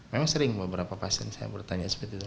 memang sering beberapa pasien saya bertanya seperti itu